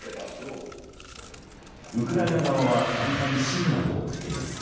ウクライナ側は度々シグナルを送っています。